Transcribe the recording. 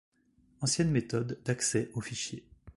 Ancienne méthode d’accès aux fichiers.